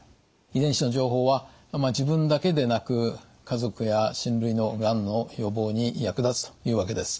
遺伝子の情報は自分だけでなく家族や親類のがんの予防に役立つというわけです。